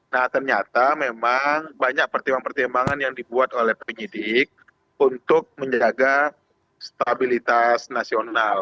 nah ternyata memang banyak pertimbangan pertimbangan yang dibuat oleh penyidik untuk menjaga stabilitas nasional